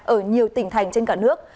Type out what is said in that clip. ở nhiều tỉnh thành trên cả nước